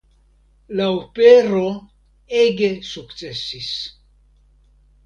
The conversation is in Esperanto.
La opero ege sukcesis.